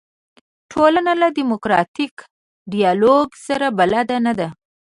ټولنه له دیموکراتیک ډیالوګ سره بلده نه ده.